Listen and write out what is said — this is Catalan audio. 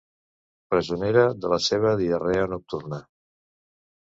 Presonera de la seva diarrea nocturna.